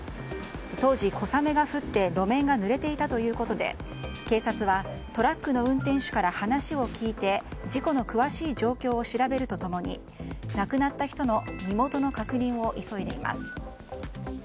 当時、小雨が降って路面がぬれていたということで警察はトラックの運転手から話を聞いて事故の詳しい状況を調べると共に亡くなった人の身元の確認を急いでいます。